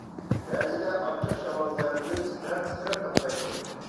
بەزىدە ئاچچىق شامال زەربىدىن تىترەپ-تىترەپ توختايتتى.